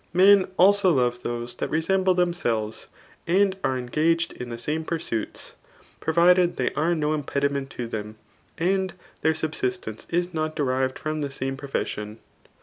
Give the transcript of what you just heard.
M^ also love those that resenble themselves, and are engaged in the same pursoitSi pro* vided they are no impediment to them» and their sut)sist> enee is not derived from die same prolesoon.